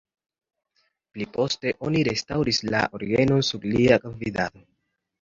Pli poste oni restaŭris la orgenon sub lia gvidado.